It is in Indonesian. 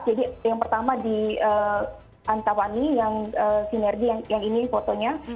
jadi yang pertama di antawani yang sinergi yang ini fotonya